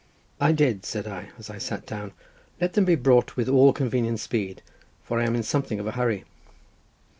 "I did," said I, as I sat down, "let them be brought with all convenient speed, for I am in something of a hurry."